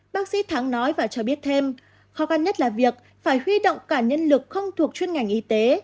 bác sĩ thắng nói và cho biết thêm khó khăn nhất là việc phải huy động cả nhân lực không thuộc chuyên ngành y tế